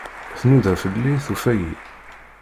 Tnuda fell-i, tufa-iyi.